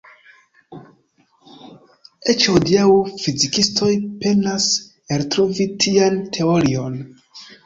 Eĉ hodiaŭ fizikistoj penas eltrovi tian teorion.